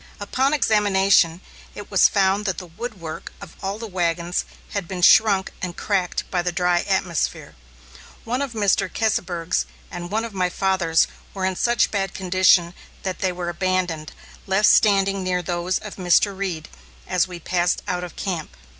Upon examination, it was found that the woodwork of all the wagons had been shrunk and cracked by the dry atmosphere. One of Mr. Keseberg's and one of my father's were in such bad condition that they were abandoned, left standing near those of Mr. Reed, as we passed out of camp.